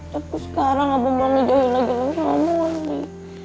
tapi sekarang abah mau jahat lagi sama moni